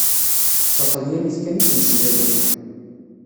D taṭalyanit kan i ttmeslayeɣ.